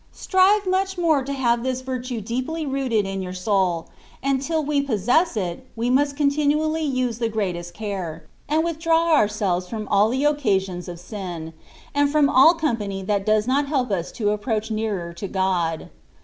Strire mnch more to hare this Tirtae deq^y rooted in yoar soal; and till we possess it, we must continoally ose the greatest care, and withdraw oorselTes from aU the occm sicMis of sin, and from all company that does not help OS to approach nearer to God.